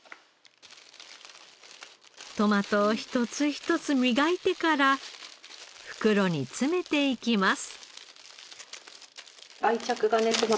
トマトを一つ一つ磨いてから袋に詰めていきます。